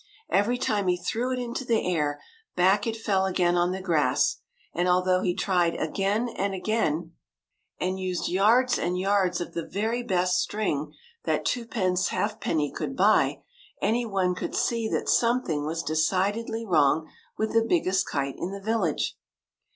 Every time he threw it into the air, back it fell again on the grass ; and although he tried again and again, and 1 64 THE KITE THAT used yards and yards of the very best string that twopence halfpenny could buy, any one could see that something was decidedly wrong with the biggest kite in the village.